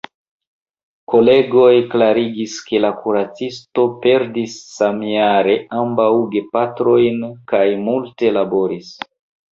Kolegoj klarigis ke la kuracisto perdis samjare ambaŭ gepatrojn kaj multe laboris.